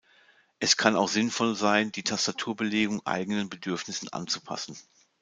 Es kann auch sinnvoll sein, die Tastaturbelegung eigenen Bedürfnissen anzupassen.